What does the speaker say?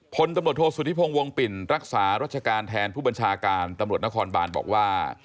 พลตำรวจโทษสุธิพงศ์วงปิ่นรักษารัชการแทนผู้บัญชาการตำรวจนครบานบอกว่า